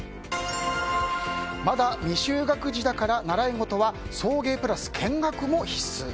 まだ未就学児だから習い事は送迎プラス見学も必須。